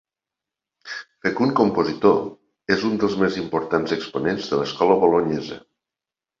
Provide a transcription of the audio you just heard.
Fecund compositor, és un dels més importants exponents de l'escola bolonyesa.